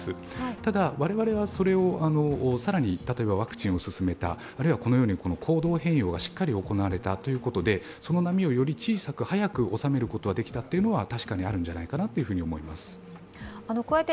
ただ、我々はそれを更に例えばワクチンを進めた、このように行動変容がしっかり行われたということでその波を小さく、早く収めることができたというのは確かにあるんじゃないかなと思います。